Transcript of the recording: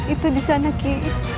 itu disana ki